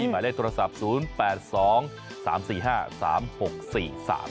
หมายเลขโทรศัพท์๐๘๒๓๔๕๓๖๔๓